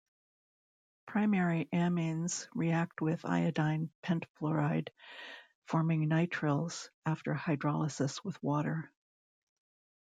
Primary amines react with iodine pentafluoride forming nitriles after hydrolysis with water.